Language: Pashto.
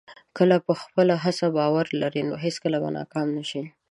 که په خپله هڅه باور لرې، نو هېڅکله به ناکام نه شې.